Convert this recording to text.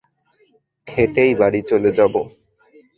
হেঁটেই বাড়ি চলে যাবো।